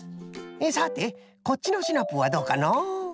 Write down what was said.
さてこっちのシナプーはどうかのう？